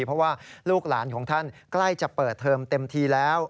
เพราะว่าลูกหลานของท่านใกล้จะเปิดเทอมเต็มทีแล้ว